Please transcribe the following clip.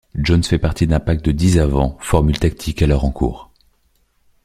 Jones fait partie d'un pack de dix avants, formule tactique alors en cours.